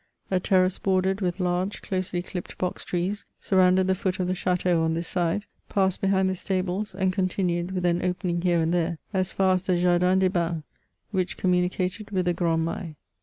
A terrace bordered with large, doselj clipped box trees, surrounded the foot of the chateau on this side, passed behind the stables, and con tinued, with an opening here and there, as far as the *' Jardin des Bains,'* which communicated with the " grand Mail."